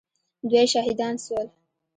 دوه يې شهيدان سول.